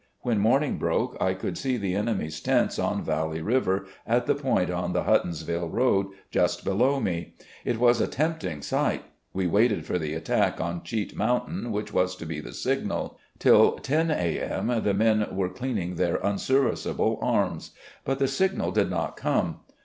When morning broke, I could see the enemy's tents on Valley River, at the point on the Huttonsville road just below me. It was a tempting sight. We waited for the attack on Cheat Mountain, which was to be the signal. Till 10 A. m. the men were cleaning their un serviceable arms. But the signal did not come.